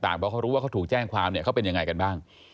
เพราะเขารู้ว่าเขาถูกแจ้งความเนี่ยเขาเป็นยังไงกันบ้าง